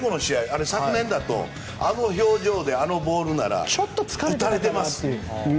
あれ、昨年ならあの表情であのボールなら打たれてます。